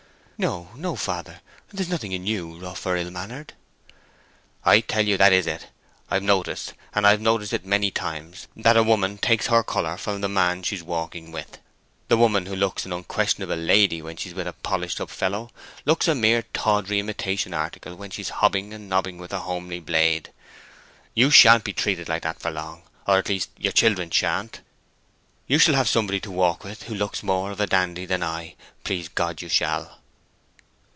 "No, no, father; there's nothing in you rough or ill mannered!" "I tell you it is that! I've noticed, and I've noticed it many times, that a woman takes her color from the man she's walking with. The woman who looks an unquestionable lady when she's with a polished up fellow, looks a mere tawdry imitation article when she's hobbing and nobbing with a homely blade. You sha'n't be treated like that for long, or at least your children sha'n't. You shall have somebody to walk with you who looks more of a dandy than I—please God you shall!"